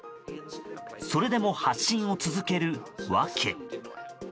それでも発信を続ける訳。